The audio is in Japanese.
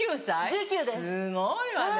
すごいわね！